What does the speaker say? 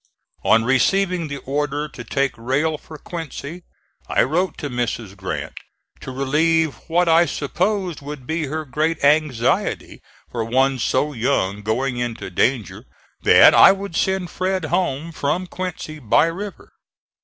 On receiving the order to take rail for Quincy I wrote to Mrs. Grant, to relieve what I supposed would be her great anxiety for one so young going into danger, that I would send Fred home from Quincy by river.